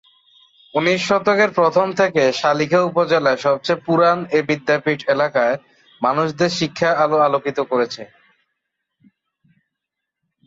উনিশ শতকের প্রথম থেকে শালিখা উপজেলার সবচেয়ে পুরান এ বিদ্যাপীঠ এলাকার মানুষদের শিক্ষার আলোয় আলোকিত করেছে।